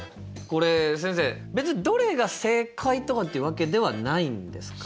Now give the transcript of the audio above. これ先生別にどれが正解とかってわけではないんですか。